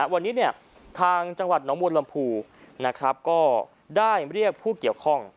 วันนี้ทางจังหวัดหนองมูลลำภูก็ได้เรียกผู้เกี่ยวข้อง